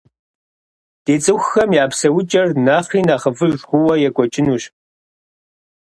Ди цӏыхухэм я псэукӏэр нэхъри нэхъыфӏыж хъууэ екӏуэкӏынущ.